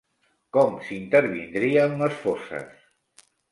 Com s'intervindrien les fosses?